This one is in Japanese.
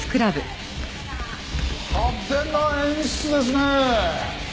派手な演出ですねえ！